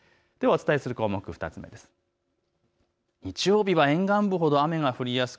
お伝えする項目、２つ目です。